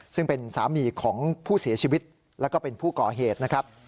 ซึ่งเป็นสามีของผู้เสียชีวิตแล้วก็เป็นผู้ก่อเหตุนะครับ